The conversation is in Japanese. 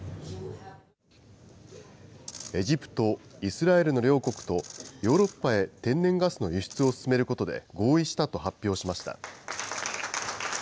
エジプト、イスラエルの両国と、ヨーロッパへ天然ガスの輸出を進めることで合意したと発表しました。